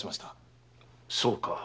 そうか。